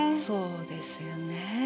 そうですよね。